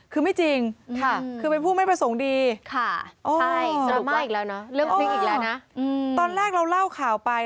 คือไม่จริงคือเป็นผู้ไม่ประสงค์ดีค่ะสรุปว่าตอนแรกเราเล่าข่าวไป